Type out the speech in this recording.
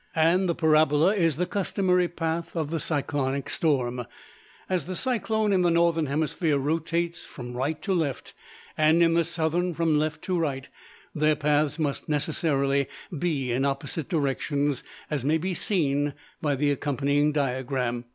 And the parabola is the customary path of the cyclonic storm. As the cyclone in the northern hemisphere rotates from right to left, and in the southern from left to right, their paths must necessarily be in opposite directions, as may be seen by the accompanying diagram.